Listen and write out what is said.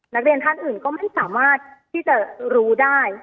นักเรียนท่านอื่นก็ไม่สามารถที่จะรู้ได้